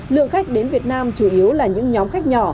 lượng khách đến việt nam chủ yếu là những nhóm khách nhỏ